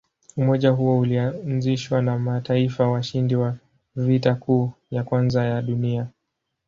Umoja huo ulianzishwa na mataifa washindi wa Vita Kuu ya Kwanza ya Dunia.